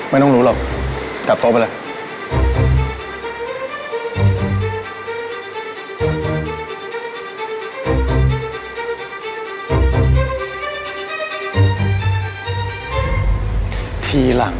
ไม่ต้องกลับมาที่นี่